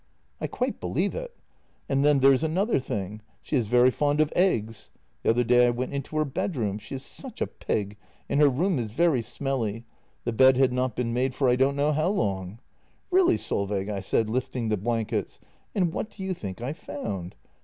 I quite believe it." " And then there's another thing. She is very fond of eggs. The other day I went into her bedroom — she is such a pig and her room is very smelly; the bed had not been made for I don't know how long. ' Really, Solveig,' I said, lifting the blankets, and what do you think I found?